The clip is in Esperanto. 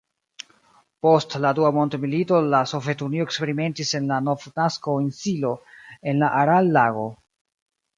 Post la dua mondmilito, la Sovetunio eksperimentis en la Novnasko-insilo en la Aral-lago.